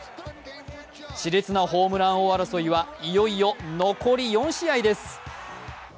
しれつなホームラン王争いはいよいよ残り４試合です。